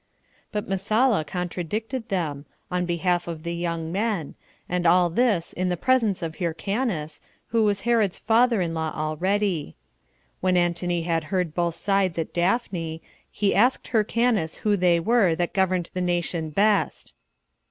But Messala contradicted them, on behalf of the young men, and all this in the presence of Hyrcanus, who was Herod's father in law 24 already. When Antony had heard both sides at Daphne, he asked Hyrcanus who they were that governed the nation best.